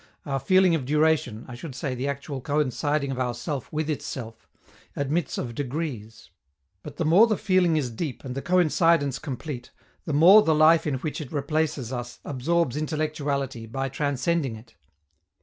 Our feeling of duration, I should say the actual coinciding of ourself with itself, admits of degrees. But the more the feeling is deep and the coincidence complete, the more the life in which it replaces us absorbs intellectuality by transcending it.